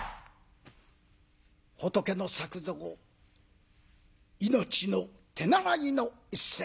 「仏の作蔵命の手習」の一席